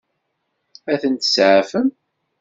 Ad tent-tseɛfem?